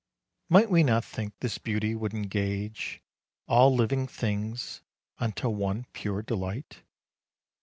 Might we not think this beauty would engage All living things unto one pure delight?